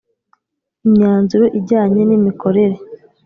Imyanzuro ijyanye n imikorere